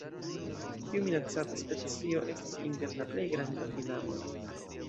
Tiu minacata specio estas inter la plej grandaj tinamoj.